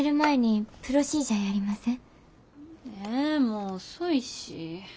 えもう遅いし。